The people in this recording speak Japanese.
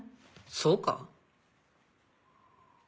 そうか？